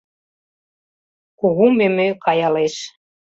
Кугу мӧмӧ каялеш